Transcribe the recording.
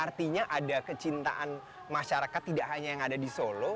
artinya ada kecintaan masyarakat tidak hanya yang ada di solo